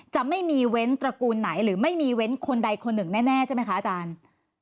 จะไม่มีเว้นตระกูลไหนหรือไม่มีเว้นคนใดคนหนึ่งแน่ใช่ไหมคะอาจารย์